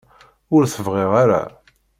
Ur t-bɣiɣ ara.